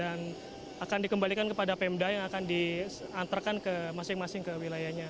yang sudah dinyatakan sehat dan akan dikembalikan kepada pemda yang akan diantarkan ke masing masing ke wilayahnya